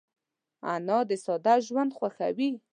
انا د ساده ژوند خوښوي